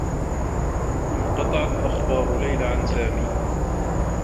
انقطعت أخبار ليلى عن سامي.